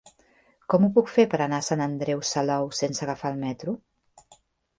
Com ho puc fer per anar a Sant Andreu Salou sense agafar el metro?